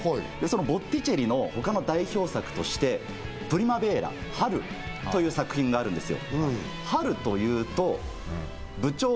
ボッティチェリの他の代表作として『プリマヴェーラ春』という作品があるんですよ。